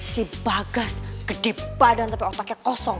si bagas di badan tapi otaknya kosong